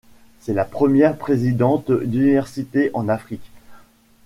C'est la première présidente d'université en Afrique.